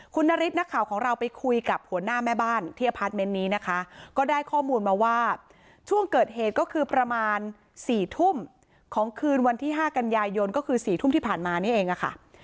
คุณนฤทธินักข่าวของเราไปคุยกับหัวหน้าแม่บ้านที่อพาร์ทเมนต์นี้นะคะก็ได้ข้อมูลมาว่าช่วงเกิดเหตุก็คือประมาณ๔ทุ่มของคืนวันที่๕กันยายนก็คือ๔ทุ่มที่ผ่านมานี่เองค่ะ